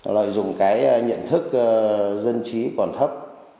lợi dụng cái nhận thức dân trí còn thấp